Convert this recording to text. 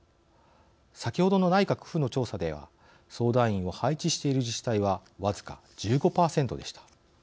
先ほどの内閣府の調査では相談員を配置している自治体はわずか１５％でした。